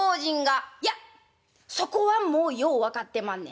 「いやそこはもうよう分かってまんねん。